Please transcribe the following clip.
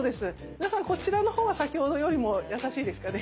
皆さんこちらのほうが先ほどよりも優しいですかね。